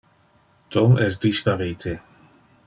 Tom es disparite.